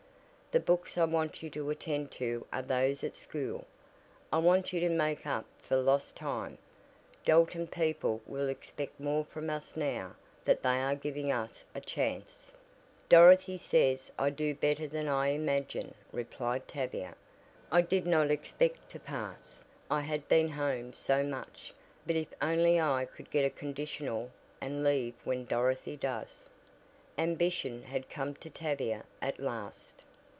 "The books I want you to attend to are those at school I want you to make up for lost time. Dalton people will expect more from us now that they are giving us a chance." "Dorothy says I do better than I imagine," replied Tavia. "I did not expect to pass I had been home so much but if only I could get a 'conditional,' and leave when Dorothy does!" Ambition had come to Tavia at last.